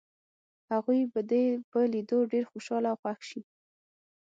هغوی به دې په لیدو ډېر خوشحاله او خوښ شي.